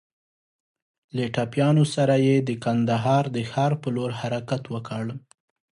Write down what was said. له ټپيانو سره يې د کندهار د ښار په لور حرکت وکړ.